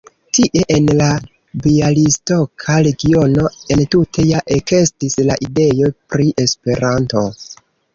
Tie en la bjalistoka regiono entute ja ekestis la ideo pri Esperanto.